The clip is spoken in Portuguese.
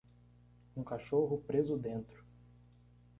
um cachorro preso dentro